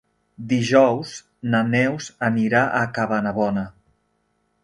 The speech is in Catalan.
Dijous na Neus anirà a Cabanabona.